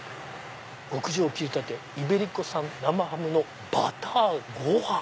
「極上切り立てイベリコ生ハムのバターご飯」。